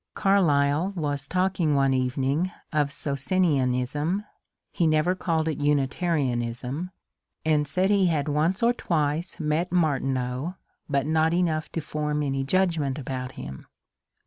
Carlyle was talking one evening of Socinianism — he never called it Unitarianism — and said he had once or twice met Martinean, but not enough to form any judgment about him.